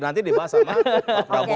nanti dibahas sama pak prabowo